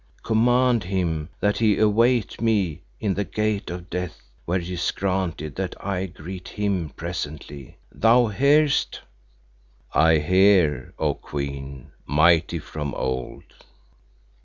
Command him that he await me in the Gate of Death where it is granted that I greet him presently. Thou hearest?" "I hear, O Queen, Mighty from of Old."